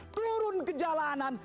turun ke jalanan